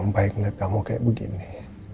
baik melihat kamu kayak begini